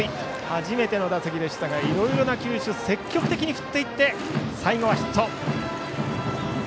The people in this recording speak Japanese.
初めての打席でしたがいろいろな球種を積極的に振っていって最後はヒット。